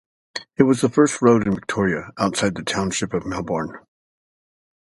It was the first road in Victoria outside the township of Melbourne.